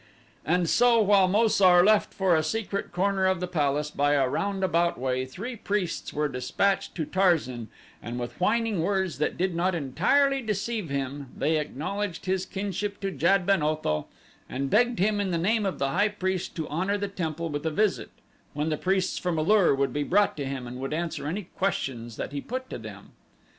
And so, while Mo sar left for a secret corner of the palace by a roundabout way, three priests were dispatched to Tarzan and with whining words that did not entirely deceive him, they acknowledged his kinship to Jad ben Otho and begged him in the name of the high priest to honor the temple with a visit, when the priests from A lur would be brought to him and would answer any questions that he put to them.